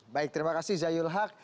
baik terima kasih zayul haq